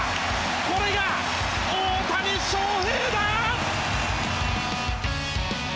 これが大谷翔平だ！